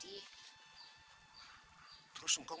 terus engkong harus gimana dong